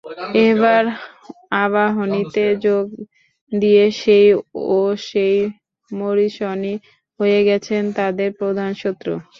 এবার আবাহনীতে যোগ দিয়ে সেই ওসেই মরিসনই হয়ে গেছেন তাদের প্রধান শত্রু।